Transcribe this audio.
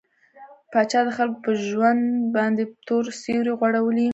پاچا د خلکو په ژوند باندې تور سيورى غوړولى.